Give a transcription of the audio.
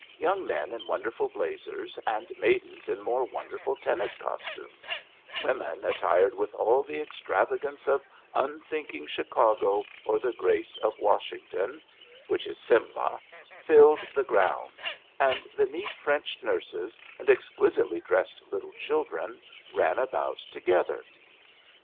Young men in won derful blazers, and maidens in more wonderful tennis costumes; women attired with all the ex travagance of unthinking Chicago or the grace of Washington (which is Simla) filled the grounds, and the neat French nurses and exquisitely dressed little children ran about together.